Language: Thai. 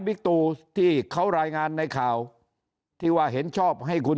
ตูที่เขารายงานในข่าวที่ว่าเห็นชอบให้คุณ